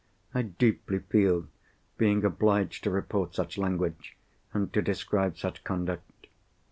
I deeply feel being obliged to report such language, and to describe such conduct.